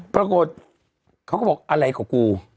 ปรากฏเขาก็บอกอะไรกับกู